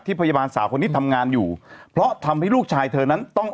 พยาบาลสาวคนนี้ทำงานอยู่เพราะทำให้ลูกชายเธอนั้นต้อง